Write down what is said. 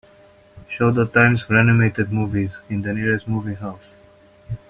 Show the times for animated movies in the nearest movie house